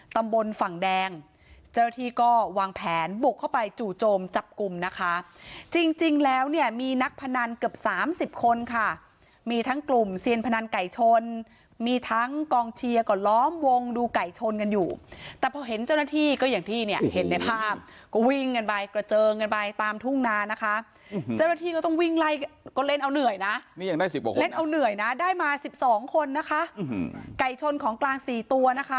ตำบลฝั่งแดงเจ้าหน้าที่ก็วางแผนบุกเข้าไปจู่โจมจับกลุ่มนะคะจริงจริงแล้วเนี่ยมีนักพนันเกือบสามสิบคนค่ะมีทั้งกลุ่มเซียนพนันไก่ชนมีทั้งกองเชียร์ก็ล้อมวงดูไก่ชนกันอยู่แต่พอเห็นเจ้าหน้าที่ก็อย่างที่เนี่ยเห็นในภาพก็วิ่งกันไปกระเจิงกันไปตามทุ่งนานะคะเจ้าหน้าที่ก็ต้องว